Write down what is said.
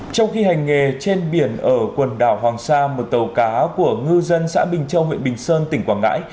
từ hàng sa một tàu cá của ngư dân xã bình châu huyện bình sơn tỉnh quảng ngãi